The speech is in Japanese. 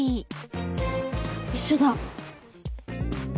一緒だ。